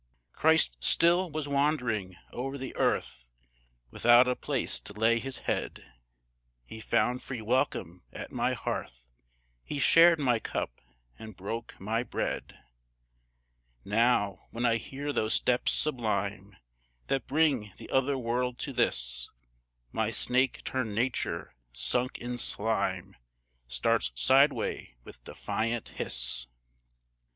Christ still was wandering o'er the earth, Without a place to lay his head; He found free welcome at my hearth, He shared my cup and broke my bread: Now, when I hear those steps sublime, That bring the other world to this, My snake turned nature, sunk in slime, Starts sideway with defiant hiss.